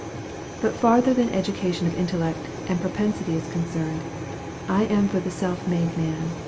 But farther than education of intellect and propensity is concerned, I am for the self made man.